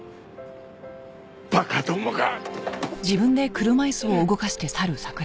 馬鹿どもが。